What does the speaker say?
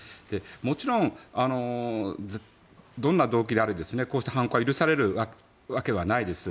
もちろんどんな動機であれこうした犯行は許されるわけはないです。